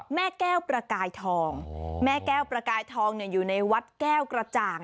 แม่แก้วประกายทองแม่แก้วประกายทองอยู่ในวัดแก้วกระจ่าง